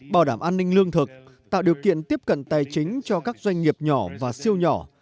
bảo đảm an ninh lương thực tạo điều kiện tiếp cận tài chính cho các doanh nghiệp nhỏ và siêu nhỏ